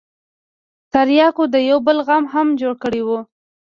ترياکو يو بل غم هم جوړ کړى و.